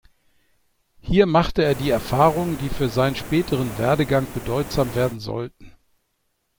Hier machte er die Erfahrungen, die für seinen späteren Werdegang bedeutsam werden sollten.